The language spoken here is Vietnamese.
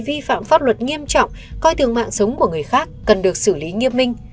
vi phạm pháp luật nghiêm trọng coi thường mạng sống của người khác cần được xử lý nghiêm minh